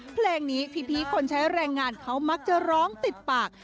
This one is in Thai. เพลงนี้พี่คนใช้แรงงานเขามักจะร้องติดปาก